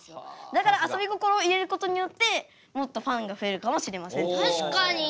だからあそび心を入れることによってもっとファンが増えるかもしれません。